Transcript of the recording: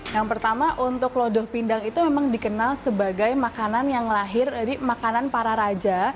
yang pertama untuk lodoh pindang itu memang dikenal sebagai makanan yang lahir dari makanan para raja